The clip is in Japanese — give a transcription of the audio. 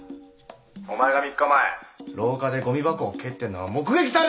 お前が３日前廊下でごみ箱を蹴ってんのが目撃されてんだよ！